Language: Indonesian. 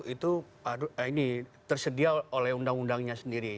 itu tersedia oleh undang undangnya sendiri